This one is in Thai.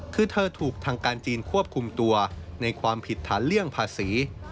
คือเธอถูกทางการจีนควบคุมตัวในความผิดฐานเลี่ยงภาษี